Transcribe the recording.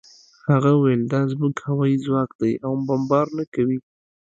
هغه وویل دا زموږ هوايي ځواک دی او بمبار نه کوي